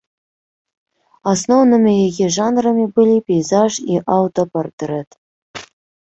Асноўнымі яе жанрамі былі пейзаж і аўтапартрэт.